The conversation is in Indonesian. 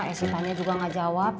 esy tanya juga gak jawab